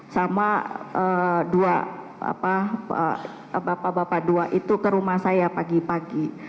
sama dua bapak bapak dua itu ke rumah saya pagi pagi